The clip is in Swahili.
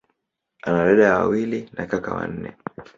Ana dada wawili na kaka wanne.